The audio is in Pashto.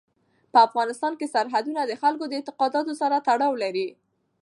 په افغانستان کې سرحدونه د خلکو د اعتقاداتو سره تړاو لري.